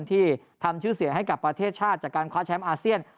ที่ทำชื่อเสียงให้กับประเทศชาติจากการคว้าแชมป์อาเซียน